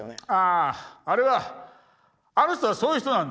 ああれはあの人はそういう人なんで。